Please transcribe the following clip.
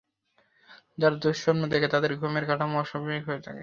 যারা দুঃস্বপ্ন দেখে তাদের ঘুমের কাঠামো অস্বাভাবিক হয়ে থাকে।